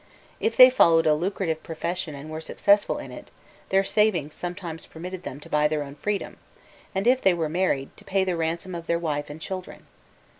If they followed a lucrative profession and were successful in it, their savings sometimes permitted them to buy their own freedom, and, if they were married, to pay the ransom of their wife and children.